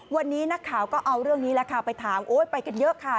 วันนี้นักข่าวก็เอาเรื่องนี้แหละค่ะไปถามโอ๊ยไปกันเยอะค่ะ